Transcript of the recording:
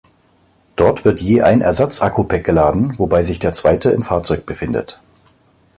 Dort wird je ein Ersatz-Akku-Pack geladen, wobei sich der zweite im Fahrzeug befindet.